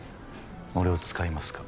俺を使いますか？